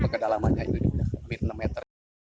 kedalamannya ini sudah hampir enam meter